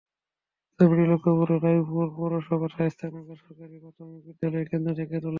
ছবিটি লক্ষ্মীপুরের রায়পুর পৌরসভার শায়েস্তানগর সরকারি প্রাথমিক বিদ্যালয় কেন্দ্র থেকে তোলা।